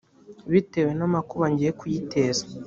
bitewe n amakuba ngiye kuyiteza